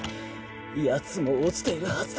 ヤツも墜ちているはずだ。